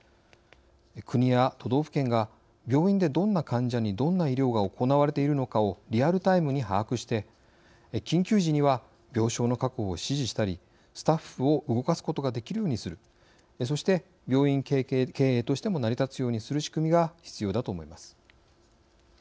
国や都道府県が病院でどんな患者にどんな医療が行われているのかをリアルタイムに把握して緊急時には病床の確保を指示したりスタッフを動かすことができるようにするそして病院経営としても成り立つようにする仕組みが必要だと思います。